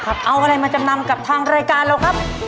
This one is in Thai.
นะครับเอาอะไรมาจะนำกับทางรายการเราครับ